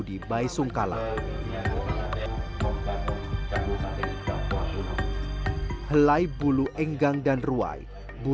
kami mengharapkan juga kepada bapak ibu